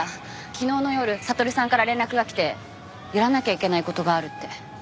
昨日の夜悟さんから連絡がきてやらなきゃいけない事があるって。